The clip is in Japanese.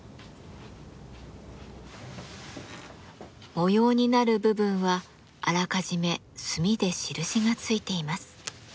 模様になる部分はあらかじめ墨で印がついています。